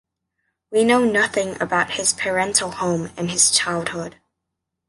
We know nothing about his parental home and his childhood.